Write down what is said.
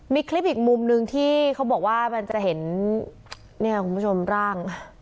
มีคลิปอีกมุมนึงที่เขาบอกว่ามันจะเห็นเนี่ยคุณผู้ชมร่าง